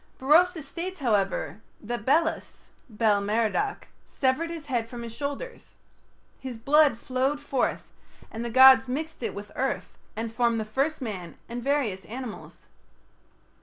Berosus states, however, that Belus (Bel Merodach) severed his head from his shoulders. His blood flowed forth, and the gods mixed it with earth and formed the first man and various animals.